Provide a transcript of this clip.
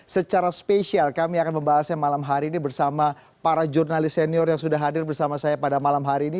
secara spesial kami akan membahasnya malam hari ini bersama para jurnalis senior yang sudah hadir bersama saya pada malam hari ini